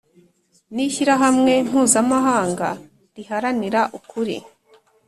n'ishyirahamwe mpuzamahanga riharanira ukuri